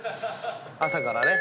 朝からね